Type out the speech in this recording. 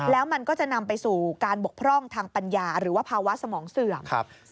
แล้วมันก็จะนำไปสู่การบกพร่องทางปัญญาหรือว่าภาวะสมองเสื่อม